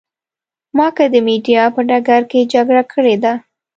ما که د مېډیا په ډګر کې جګړه کړې ده.